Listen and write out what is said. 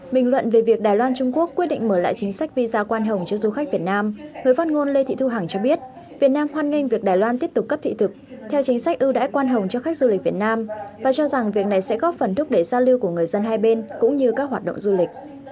bình luận về việc đài loan trung quốc quyết định mở lại chính sách visa quan hồng cho du khách việt nam người phát ngôn lê thị thu hằng cho biết việt nam hoan nghênh việc đài loan tiếp tục cấp thị thực theo chính sách ưu đãi quan hồng cho khách du lịch việt nam và cho rằng việc này sẽ góp phần thúc đẩy giao lưu của người dân hai bên cũng như các hoạt động du lịch